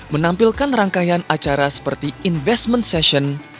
menampilkan rangkaian acara seperti investment session